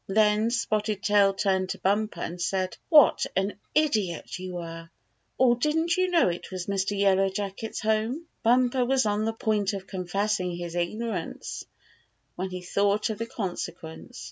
Then Spotted Tail turned to Bumper, and said: " What an idiot you were ! Or didn't you know it was Mr. Yellow Jacket's home?" Bumper was on the point of confessing his ignorance when he thought of the consequence.